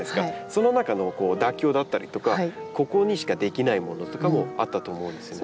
その中の妥協だったりとかここにしかできないものとかもあったと思うんですよね。